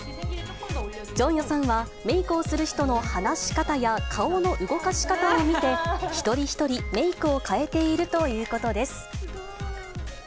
ジョンヨさんはメークをする人の話し方や顔の動かし方を見て、１人１人メークを変えているということです。